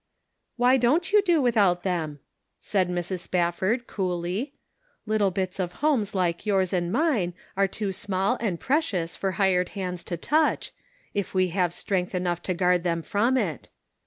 " Why don't you do without them ?" said Mrs. Spafford, coolly ;" little bits of homes like yours and mine are too small and precious for hired hands to touch, if we have strength enough to guard them from it.